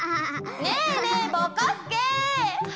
ねえねえぼこすけ！